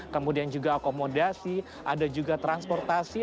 kemudian juga akomodasi ada juga transportasi